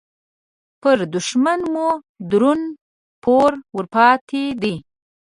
پر دوښمن مو درون پور ورپاتې دې